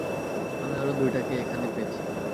আমি আরো দুইটাকে এখানে পেয়েছি!